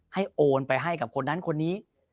โอนไปให้กับคนนั้นคนนี้